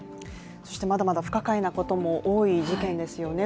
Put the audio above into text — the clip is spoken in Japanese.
そしてまだまだ不可解なことも多い事件ですよね。